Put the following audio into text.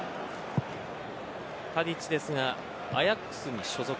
タディッチですがアヤックスに所属。